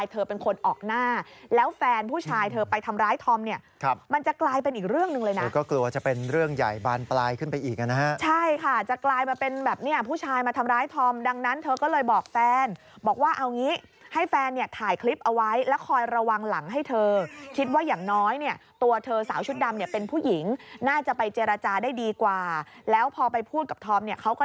เธอก็กลัวว่าจะเป็นเรื่องใหญ่บานปลายขึ้นไปอีกนะฮะใช่ค่ะจะกลายมาเป็นแบบเนี่ยผู้ชายมาทำร้ายธอมดังนั้นเธอก็เลยบอกแฟนบอกว่าเอางี้ให้แฟนเนี่ยถ่ายคลิปเอาไว้แล้วคอยระวังหลังให้เธอคิดว่าอย่างน้อยเนี่ยตัวเธอสาวชุดดำเนี่ยเป็นผู้หญิงน่าจะไปเจรจาได้ดีกว่าแล้วพอไปพูดกับธอมเนี่ยเขาก็